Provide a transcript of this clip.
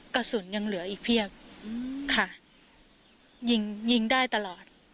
กระสุนยังเหลืออีกเพียบค่ะยิงยิงได้ตลอด